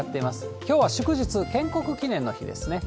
きょうは祝日、建国記念の日ですね。